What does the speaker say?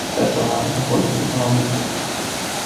Personal, nu pot decât să mă bucur.